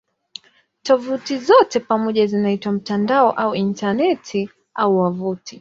Tovuti zote pamoja zinaitwa "mtandao" au "Intaneti" au "wavuti".